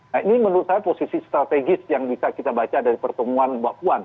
nah ini menurut saya posisi strategis yang bisa kita baca dari pertemuan mbak puan